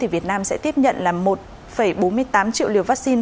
việt nam sẽ tiếp nhận là một bốn mươi tám triệu liều vaccine